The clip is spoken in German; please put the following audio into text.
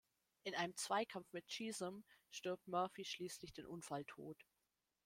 In einem Zweikampf mit Chisum stirbt Murphy schließlich den Unfalltod.